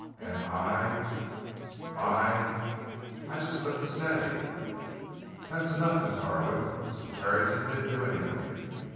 And I—I—why, I just couldn't stay——" "That's enough, Miss Harlan. So Carrington didn't do anything."